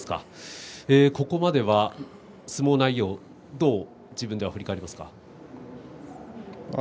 ここまでは相撲内容どう自分では振り返りますか。